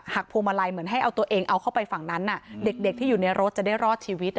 พวงมาลัยเหมือนให้เอาตัวเองเอาเข้าไปฝั่งนั้นเด็กที่อยู่ในรถจะได้รอดชีวิต